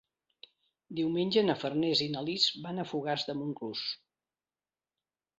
Diumenge na Farners i na Lis van a Fogars de Montclús.